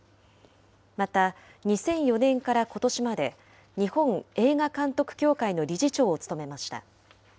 また２００４年からことしまで、日本映画監督協会の理事長を務めました。